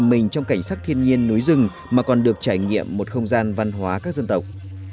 mình trong cảnh sắc thiên nhiên núi rừng mà còn được trải nghiệm một không gian văn hóa các dân tộc